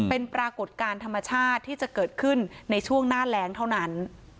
เป็นปรากฏการณ์ธรรมชาติที่จะเกิดขึ้นในช่วงหน้าแรงเท่านั้น